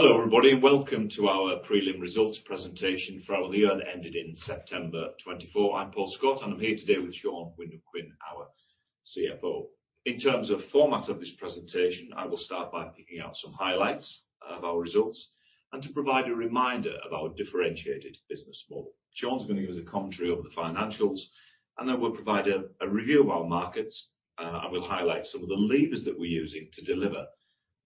Hello, everybody, and welcome to our prelim results presentation for our year that ended in September 2024. I'm Paul Scott, and I'm here today with Sean Wyndham-Quin, our CFO. In terms of format of this presentation, I will start by picking out some highlights of our results and to provide a reminder of our differentiated business model. Sean's going to give us a commentary over the financials, and then we'll provide a review of our markets, and we'll highlight some of the levers that we're using to deliver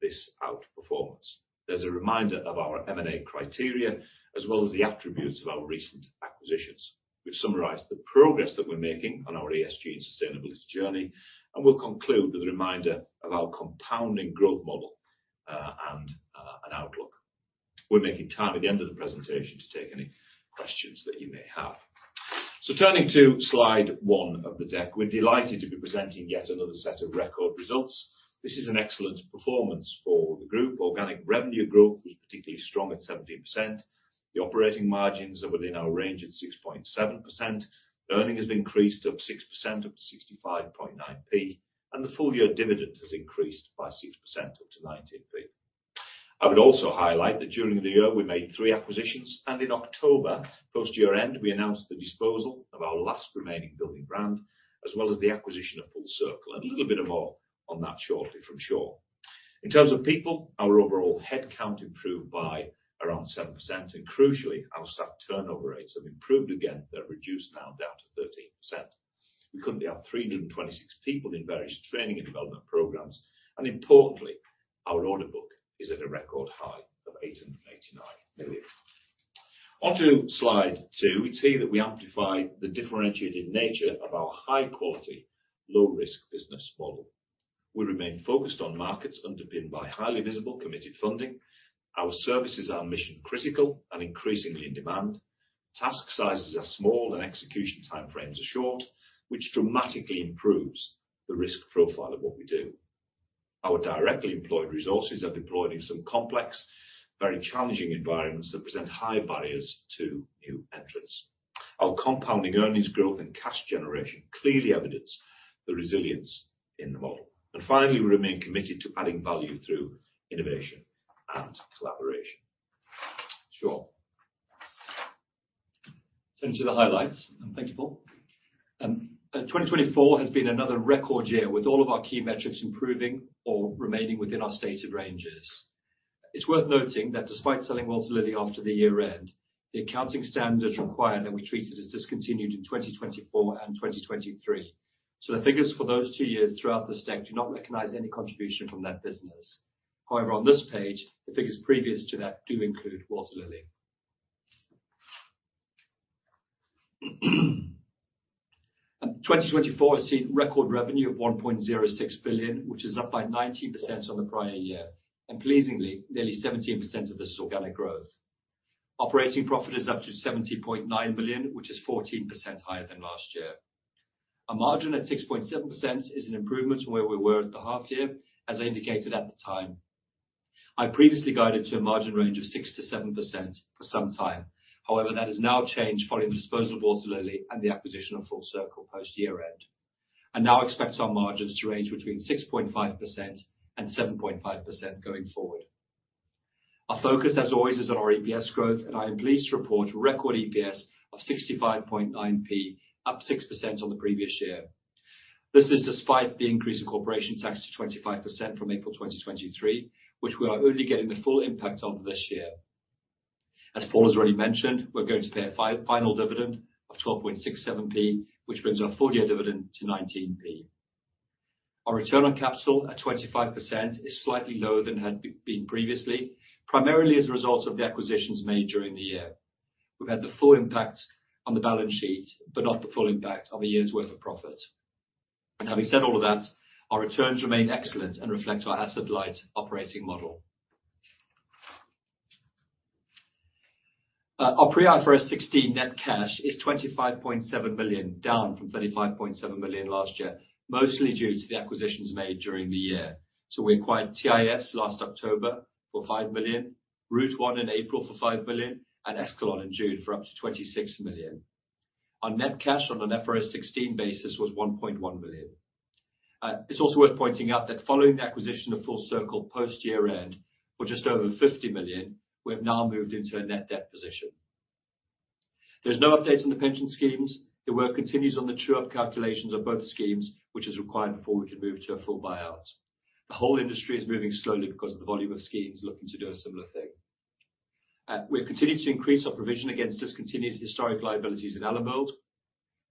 this outperformance. There's a reminder of our M&A criteria, as well as the attributes of our recent acquisitions, which summarize the progress that we're making on our ESG and sustainability journey, and we'll conclude with a reminder of our compounding growth model, and an outlook. We're making time at the end of the presentation to take any questions that you may have. Turning to slide 1 of the deck, we're delighted to be presenting yet another set of record results. This is an excellent performance for the group. Organic revenue growth was particularly strong at 17%. The operating margins are within our range at 6.7%. Earnings has increased up 6%, up to 65.9p, and the full year dividend has increased by 6%, up to 19p. I would also highlight that during the year we made 3 acquisitions, and in October, post year-end, we announced the disposal of our last remaining building brand, as well as the acquisition of Full Circle, and a little bit more on that shortly from Sean. In terms of people, our overall headcount improved by around 7%, and crucially, our staff turnover rates have improved again. They're reduced now down to 13%. We currently have 326 people in various training and development programs, and importantly, our order book is at a record high of 889 million. Onto slide two, we see that we amplify the differentiated nature of our high quality, low risk business model. We remain focused on markets underpinned by highly visible, committed funding. Our services are mission critical and increasingly in demand. Task sizes are small, and execution time frames are short, which dramatically improves the risk profile of what we do. Our directly employed resources are deployed in some complex, very challenging environments that present high barriers to new entrants. Our compounding earnings growth and cash generation clearly evidence the resilience in the model. And finally, we remain committed to adding value through innovation and collaboration. Sean? Turning to the highlights. Thank you, Paul. 2024 has been another record year, with all of our key metrics improving or remaining within our stated ranges. It's worth noting that despite selling Walter Lilly after the year-end, the accounting standards require that we treat it as discontinued in 2024 and 2023. So the figures for those two years throughout this deck do not recognize any contribution from that business. However, on this page, the figures previous to that do include Walter Lilly. 2024 has seen record revenue of 1.06 billion, which is up by 19% on the prior year, and pleasingly, nearly 17% of this is organic growth. Operating profit is up to 70.9 billion, which is 14% higher than last year. A margin at 6.7% is an improvement from where we were at the half year, as I indicated at the time. I previously guided to a margin range of 6%-7% for some time. However, that has now changed following the disposal of Walter Lilly and the acquisition of Full Circle post year-end. I now expect our margins to range between 6.5% and 7.5% going forward. Our focus, as always, is on our EPS growth, and I am pleased to report record EPS of 65.9p, up 6% on the previous year. This is despite the increase in corporation tax to 25% from April 2023, which we are only getting the full impact of this year. As Paul has already mentioned, we're going to pay a final dividend of 12.67p, which brings our full-year dividend to 19p. Our return on capital at 25% is slightly lower than had been previously, primarily as a result of the acquisitions made during the year. We've had the full impact on the balance sheet, but not the full impact of a year's worth of profit. Having said all of that, our returns remain excellent and reflect our asset-light operating model. Our pre-IFRS 16 net cash is 25.7 billion, down from 35.7 billion last year, mostly due to the acquisitions made during the year. So we acquired TIS last October for 5 billion, Route One in April for 5 billion, and Excalon in June for up to 26 million. Our net cash on an IFRS 16 basis was 1.1 billion. It's also worth pointing out that following the acquisition of Full Circle post year-end, for just over 50 million, we have now moved into a net debt position. There's no update on the pension schemes. The work continues on the true-up calculations of both schemes, which is required before we can move to a full buyouts. The whole industry is moving slowly because of the volume of schemes looking to do a similar thing. We've continued to increase our provision against discontinued historic liabilities in Allenbuild.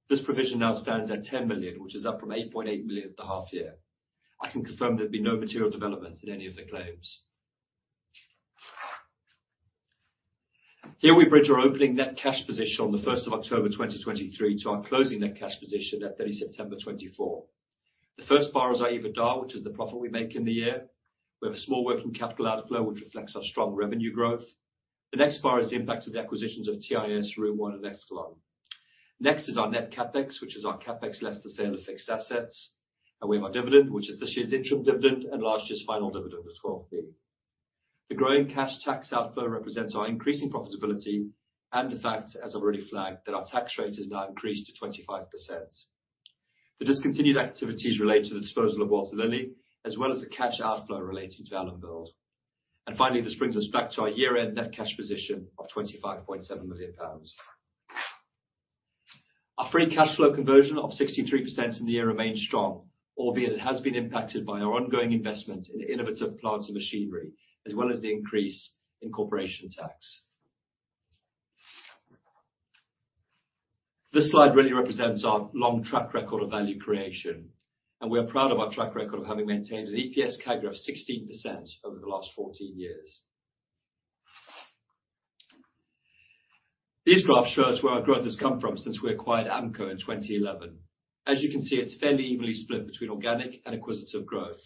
This provision now stands at 10 million, which is up from 8.8 million at the half year. I can confirm there have been no material developments in any of the claims. Here, we bridge our opening net cash position on the first of October 2023 to our closing net cash position at 30 September 2024. The first bar is our EBITDA, which is the profit we make in the year. We have a small working capital outflow, which reflects our strong revenue growth. The next bar is the impact of the acquisitions of TIS, Route One, and Excalon. Next is our net CapEx, which is our CapEx less the sale of fixed assets, and we have our dividend, which is this year's interim dividend and last year's final dividend of 12p. The growing cash tax outflow represents our increasing profitability and the fact, as I've already flagged, that our tax rate has now increased to 25%.... The discontinued activities relate to the disposal of Walter Lilly, as well as the cash outflow relating to Allenbuild. Finally, this brings us back to our year-end net cash position of 25.7 million pounds. Our free cash flow conversion of 63% in the year remains strong, albeit it has been impacted by our ongoing investment in innovative plants and machinery, as well as the increase in corporation tax. This slide really represents our long track record of value creation, and we are proud of our track record of having maintained an EPS CAGR of 16% over the last 14 years. These graphs show us where our growth has come from since we acquired Amco in 2011. As you can see, it's fairly evenly split between organic and acquisitive growth.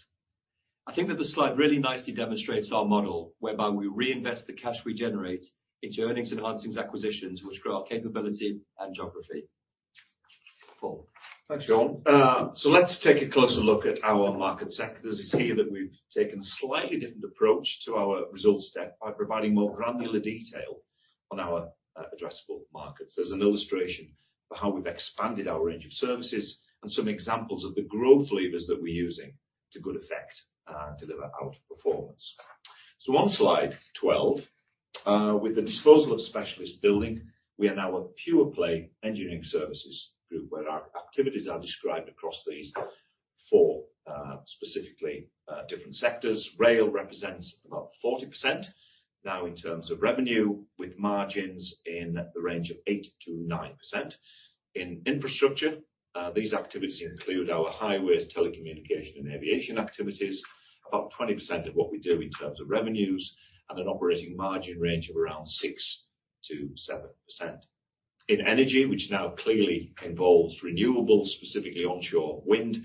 I think that this slide really nicely demonstrates our model, whereby we reinvest the cash we generate into earnings-enhancing acquisitions, which grow our capability and geography. Paul? Thanks, Sean. So let's take a closer look at our market sectors. You see that we've taken a slightly different approach to our results deck by providing more granular detail on our, addressable markets. There's an illustration for how we've expanded our range of services and some examples of the growth levers that we're using to good effect, to deliver outperformance. So on slide 12, with the disposal of Specialist Building, we are now a pure-play engineering services group, where our activities are described across these four, specifically, different sectors. Rail represents about 40% now in terms of revenue, with margins in the range of 8%-9%. In infrastructure, these activities include our highways, telecommunication, and aviation activities. About 20% of what we do in terms of revenues and an operating margin range of around 6%-7%. In energy, which now clearly involves renewables, specifically onshore wind,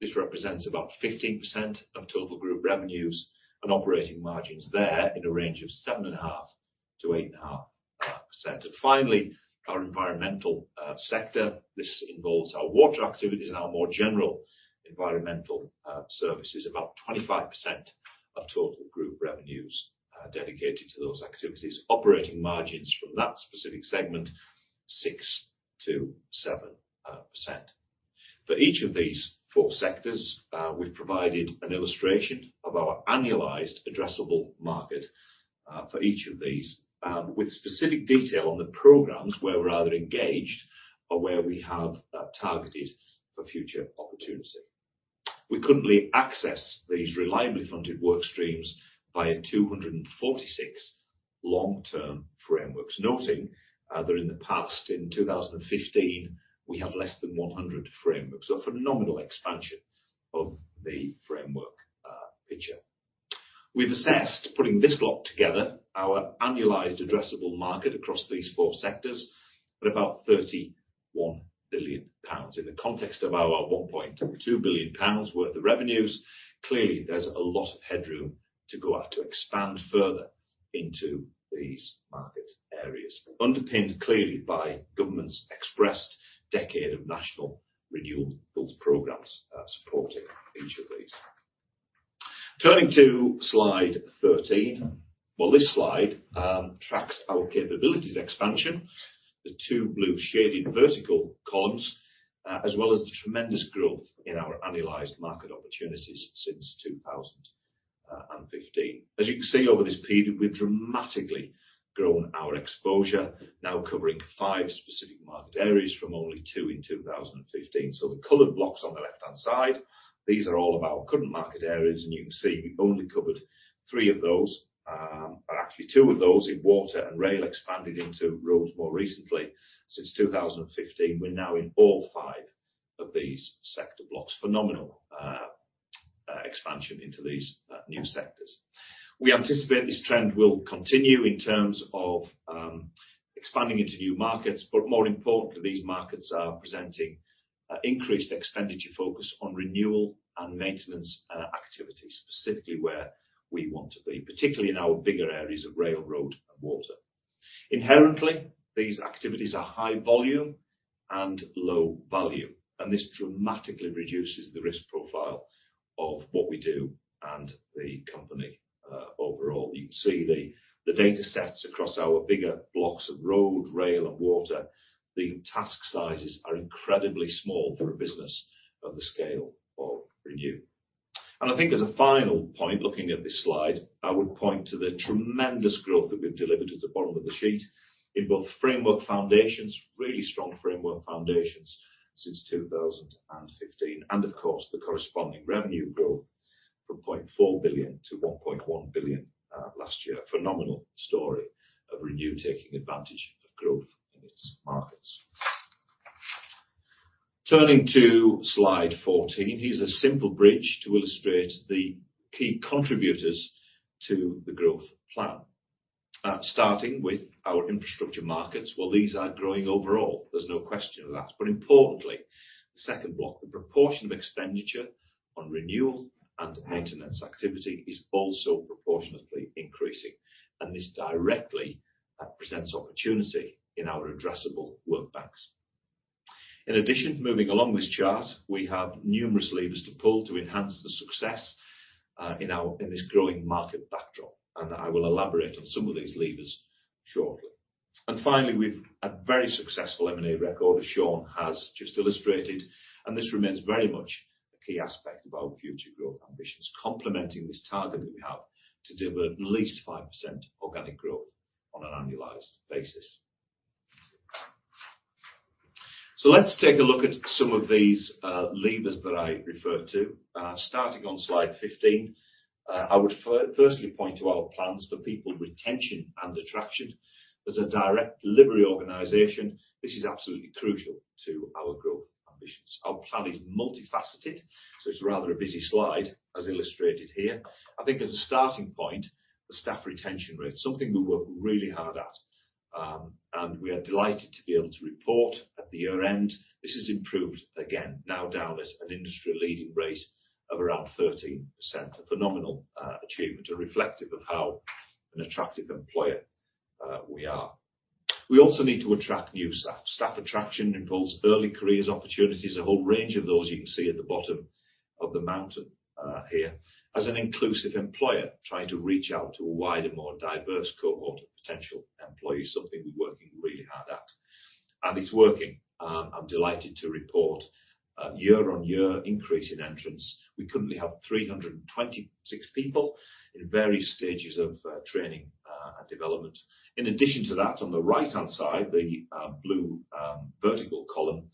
this represents about 15% of total group revenues and operating margins there in a range of 7.5%-8.5%. Finally, our environmental sector. This involves our water activities and our more general environmental services, about 25% of total group revenues dedicated to those activities. Operating margins from that specific segment, 6%-7%. For each of these 4 sectors, we've provided an illustration of our annualized addressable market for each of these, with specific detail on the programs where we're either engaged or where we have targeted for future opportunity. We currently access these reliably funded work streams by 246 long-term frameworks, noting that in the past, in 2015, we had less than 100 frameworks, so phenomenal expansion of the framework picture. We've assessed, putting this lot together, our annualized addressable market across these four sectors at about 31 billion pounds. In the context of our 1.2 billion pounds worth of revenues, clearly, there's a lot of headroom to go out, to expand further into these market areas. Underpinned clearly by government's expressed decade of national renewables programs supporting each of these. Turning to Slide 13. Well, this slide tracks our capabilities expansion, the two blue shaded vertical columns, as well as the tremendous growth in our annualized market opportunities since 2015. As you can see, over this period, we've dramatically grown our exposure, now covering five specific market areas from only two in 2015. So the colored blocks on the left-hand side, these are all of our current market areas, and you can see we only covered three of those. But actually two of those in water and rail, expanded into roads more recently. Since 2015, we're now in all five of these sector blocks. Phenomenal expansion into these new sectors. We anticipate this trend will continue in terms of expanding into new markets, but more importantly, these markets are presenting increased expenditure focus on renewal and maintenance activities, specifically where we want to be, particularly in our bigger areas of rail, road, and water. Inherently, these activities are high volume and low value, and this dramatically reduces the risk profile of what we do and the company overall. You can see the data sets across our bigger blocks of road, rail, and water. The task sizes are incredibly small for a business of the scale of Renew. And I think as a final point, looking at this slide, I would point to the tremendous growth that we've delivered at the bottom of the sheet in both framework foundations, really strong framework foundations since 2015, and of course, the corresponding revenue growth from 0.4 billion to 1.1 billion last year. A phenomenal story of Renew taking advantage of growth in its markets. Turning to Slide 14, here's a simple bridge to illustrate the key contributors to the growth plan. Starting with our infrastructure markets. Well, these are growing overall, there's no question of that. But importantly, the second block, the proportion of expenditure on renewal and maintenance activity, is also proportionately increasing, and this directly presents opportunity in our addressable work banks. In addition, moving along this chart, we have numerous levers to pull to enhance the success in this growing market backdrop, and I will elaborate on some of these levers shortly. And finally, we've a very successful M&A record, as Sean has just illustrated, and this remains very much a key aspect of our future growth ambitions, complementing this target that we have to deliver at least 5% organic growth on an annualized basis. So let's take a look at some of these levers that I referred to. Starting on slide 15, I would firstly point to our plans for people retention and attraction. As a direct delivery organization, this is absolutely crucial to our growth ambitions. Our plan is multifaceted, so it's rather a busy slide, as illustrated here. I think as a starting point, the staff retention rate, something we work really hard at, and we are delighted to be able to report at the year-end, this has improved again, now down at an industry-leading rate of around 13%. A phenomenal achievement and reflective of how an attractive employer we are. We also need to attract new staff. Staff attraction involves early careers opportunities, a whole range of those you can see at the bottom of the mountain here. As an inclusive employer, trying to reach out to a wider, more diverse cohort of potential employees, something we're working really hard at, and it's working. I'm delighted to report a year-on-year increase in entrants. We currently have 326 people in various stages of training and development. In addition to that, on the right-hand side, the blue vertical column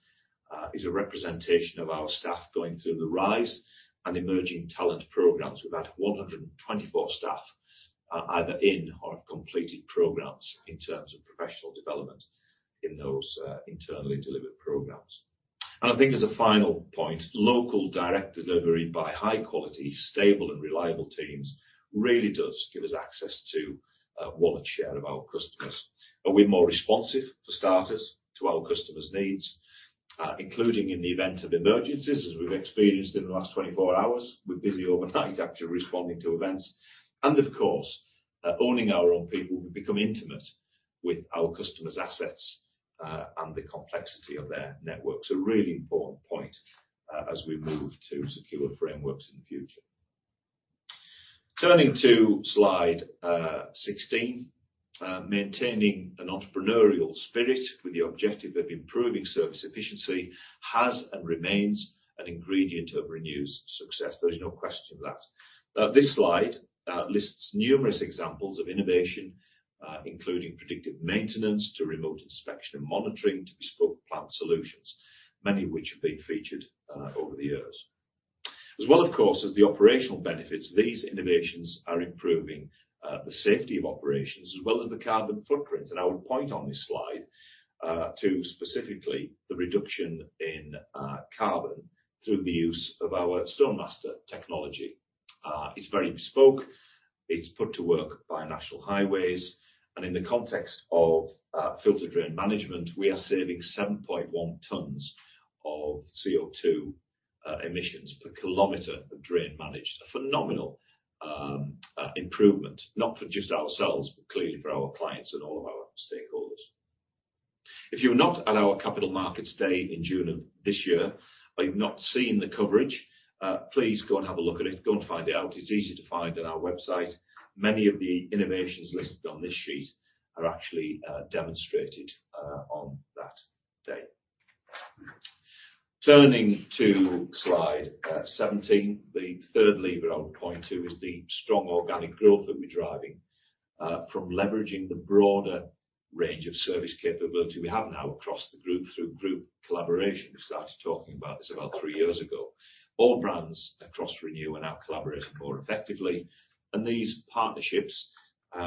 is a representation of our staff going through the RISE and Emerging Talent programs, with about 124 staff either in or have completed programs in terms of professional development in those internally delivered programs. I think as a final point, local direct delivery by high quality, stable, and reliable teams really does give us access to wallet share of our customers. We're more responsive, for starters, to our customers' needs, including in the event of emergencies, as we've experienced in the last 24 hours. We're busy overnight actually responding to events. Of course, owning our own people, we become intimate with our customers' assets, and the complexity of their networks. A really important point, as we move to secure frameworks in the future. Turning to slide 16, maintaining an entrepreneurial spirit with the objective of improving service efficiency has and remains an ingredient of Renew's success. There is no question of that. This slide lists numerous examples of innovation, including predictive maintenance to remote inspection and monitoring, to bespoke plant solutions, many of which have been featured over the years. As well, of course, as the operational benefits, these innovations are improving the safety of operations, as well as the carbon footprint. I would point on this slide to specifically the reduction in carbon through the use of our StoneMaster technology. It's very bespoke, it's put to work by National Highways, and in the context of filter drain management, we are saving 7.1 tons of CO2 emissions per kilometer of drain managed. A phenomenal improvement, not for just ourselves, but clearly for our clients and all of our stakeholders. If you were not at our capital markets day in June of this year, or you've not seen the coverage, please go and have a look at it. Go and find it out. It's easy to find on our website. Many of the innovations listed on this sheet are actually demonstrated on that day. Turning to slide 17, the third lever I would point to is the strong organic growth that we're driving from leveraging the broader range of service capability we have now across the group through group collaboration. We started talking about this about three years ago. All brands across Renew are now collaborating more effectively, and these partnerships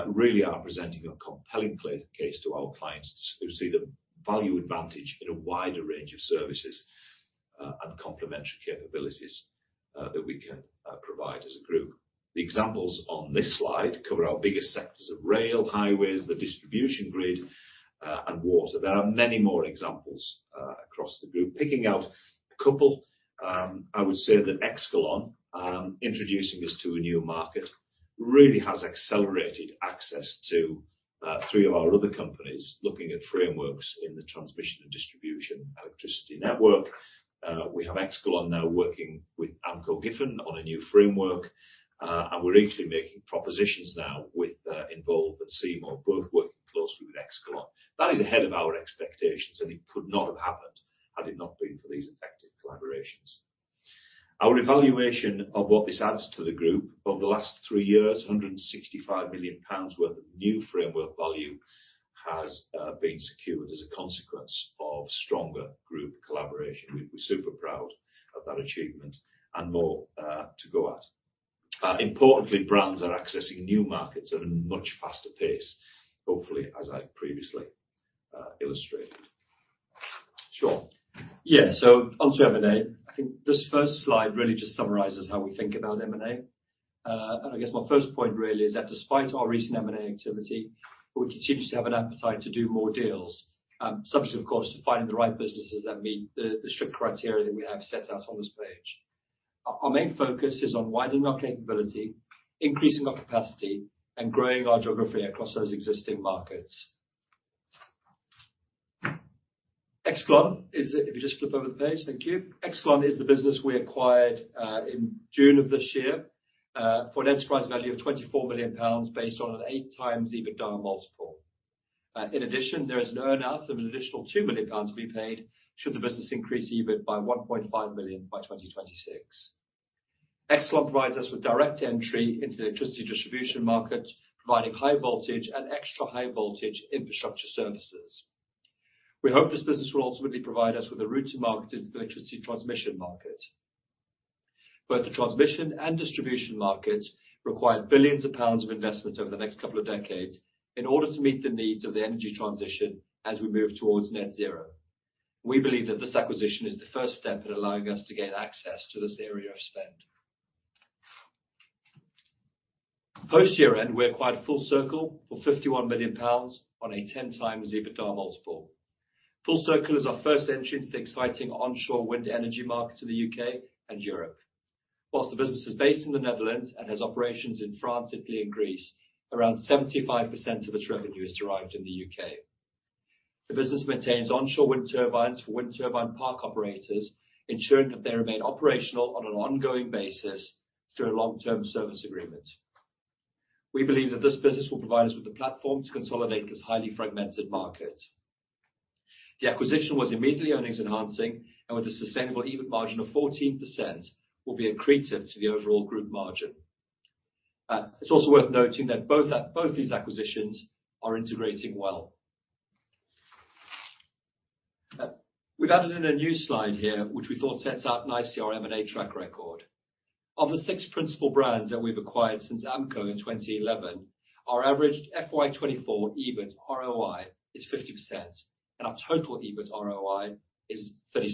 really are presenting a compelling case to our clients who see the value advantage in a wider range of services and complementary capabilities that we can provide as a group. The examples on this slide cover our biggest sectors of rail, highways, the distribution grid, and water. There are many more examples across the group. Picking out a couple, I would say that Excalon, introducing us to a new market, really has accelerated access to, three of our other companies looking at frameworks in the transmission and distribution electricity network. We have Excalon now working with AmcoGiffen on a new framework, and we're equally making propositions now with, Involves and Seymour, both working closely with Excalon. That is ahead of our expectations, and it could not have happened had it not been for these effective collaborations. Our evaluation of what this adds to the group, over the last three years, 165 million pounds worth of new framework value has, been secured as a consequence of stronger group collaboration. We're super proud of that achievement and more, to go at. Importantly, brands are accessing new markets at a much faster pace, hopefully, as I previously illustrated. Sean? Yeah. So on to M&A. I think this first slide really just summarizes how we think about M&A. And I guess my first point really is that despite our recent M&A activity, we continue to have an appetite to do more deals, subject, of course, to finding the right businesses that meet the strict criteria that we have set out on this page. Our main focus is on widening our capability, increasing our capacity, and growing our geography across those existing markets. Excalon is, if you just flip over the page, thank you. Excalon is the business we acquired in June of this year for an enterprise value of 24 million pounds based on an 8x EBITDA multiple. In addition, there is an earn-out of an additional 2 million pounds to be paid should the business increase EBIT by 1.5 million by 2026. Excalon provides us with direct entry into the electricity distribution market, providing high voltage and extra high voltage infrastructure services. We hope this business will ultimately provide us with a route to market into the electricity transmission market. Both the transmission and distribution markets require billions of pounds of investment over the next couple of decades in order to meet the needs of the energy transition as we move towards net zero. We believe that this acquisition is the first step in allowing us to gain access to this area of spend. Post year-end, we acquired Full Circle for 51 million pounds on a 10x EBITDA multiple. Full Circle is our first entry into the exciting onshore wind energy market in the U.K. and Europe. While the business is based in the Netherlands and has operations in France, Italy, and Greece, around 75% of its revenue is derived in the U.K. The business maintains onshore wind turbines for wind turbine park operators, ensuring that they remain operational on an ongoing basis through a long-term service agreement. We believe that this business will provide us with the platform to consolidate this highly fragmented market. The acquisition was immediately earnings enhancing, and with a sustainable EBIT margin of 14%, will be accretive to the overall group margin. It's also worth noting that both these acquisitions are integrating well. We've added in a new slide here, which we thought sets out nicely our M&A track record. Of the 6 principal brands that we've acquired since Amco in 2011, our average FY 2024 EBIT ROI is 50%, and our total EBIT ROI is 36%.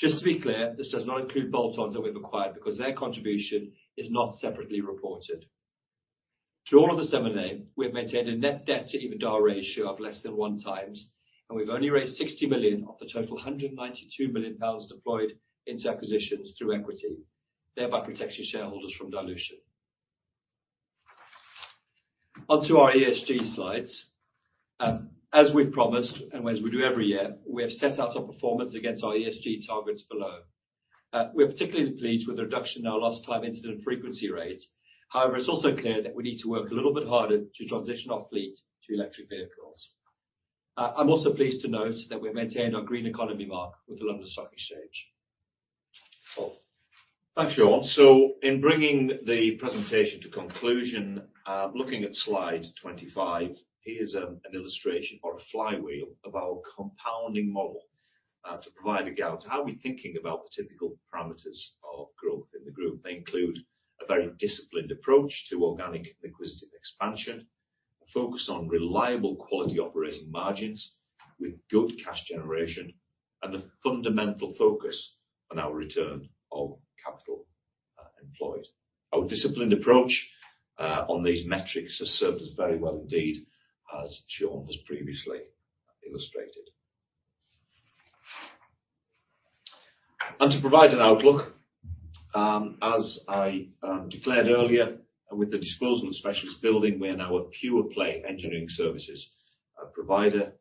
Just to be clear, this does not include bolt-ons that we've acquired, because their contribution is not separately reported. Through all of this M&A, we have maintained a net debt to EBITDA ratio of less than 1x, and we've only raised 60 million of the total 192 million pounds deployed into acquisitions through equity, thereby protecting shareholders from dilution. On to our ESG slides. As we've promised, and as we do every year, we have set out our performance against our ESG targets below. We are particularly pleased with the reduction in our lost time incident frequency rates. However, it's also clear that we need to work a little bit harder to transition our fleet to electric vehicles. I'm also pleased to note that we maintained our Green Economy Mark with the London Stock Exchange. Paul? Thanks, Sean. So in bringing the presentation to conclusion, looking at slide 25, here's an illustration or a flywheel of our compounding model, to provide a guide to how we're thinking about the typical parameters of growth in the group. They include a very disciplined approach to organic and acquisitive expansion, a focus on reliable quality operating margins with good cash generation, and a fundamental focus on our return on capital employed. Our disciplined approach on these metrics has served us very well indeed, as Sean has previously illustrated. And to provide an outlook, as I declared earlier, with the disposal of Specialist Building, we are now a pure-play engineering services provider.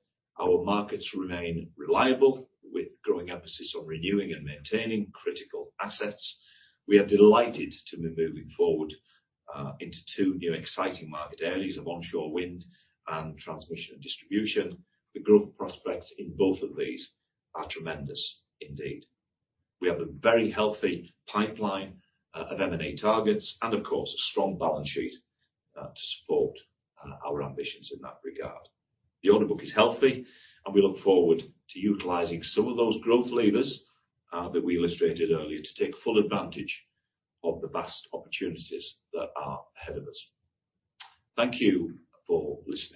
Our markets remain reliable, with growing emphasis on renewing and maintaining critical assets. We are delighted to be moving forward into two new exciting market areas of onshore wind and transmission and distribution. The growth prospects in both of these are tremendous indeed. We have a very healthy pipeline of M&A targets and, of course, a strong balance sheet to support our ambitions in that regard. The order book is healthy, and we look forward to utilizing some of those growth levers that we illustrated earlier, to take full advantage of the vast opportunities that are ahead of us. Thank you for listening.